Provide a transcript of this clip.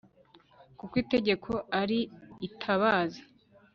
Kuko itegeko ari itabaza